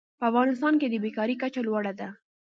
په افغانستان کې د بېکارۍ کچه لوړه ده.